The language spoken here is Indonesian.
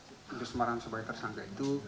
idrus umarham sebagai tersangka itu